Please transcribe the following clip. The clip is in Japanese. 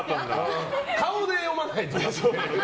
顔で読まないと。